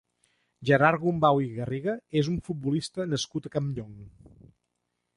Gerard Gumbau i Garriga és un futbolista nascut a Campllong.